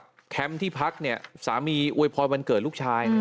แคมป์ที่พักเนี่ยสามีอวยพรวันเกิดลูกชาย